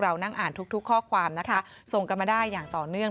นั่งอ่านทุกข้อความนะคะส่งกันมาได้อย่างต่อเนื่อง